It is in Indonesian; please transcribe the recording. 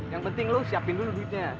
yang penting lo siapin dulu duitnya